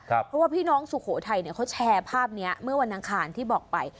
เพราะว่าพี่น้องสุโขไทยเขาแชร์ภาพนี้เมื่อวันทางข่านที่บอกไป